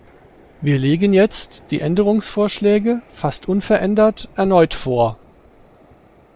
Wir legen jetzt die Änderungsvorschläge fast unverändert erneut vor.